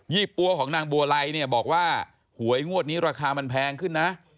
ี่ปั๊วของนางบัวไลเนี่ยบอกว่าหวยงวดนี้ราคามันแพงขึ้นนะ